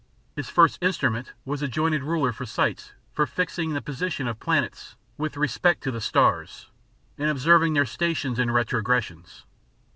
His first instrument was a jointed ruler with sights for fixing the position of planets with respect to the stars, and observing their stations and retrogressions.